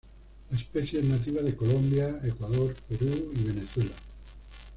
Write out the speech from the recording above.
La especie es nativa de Colombia, Ecuador, Perú y Venezuela.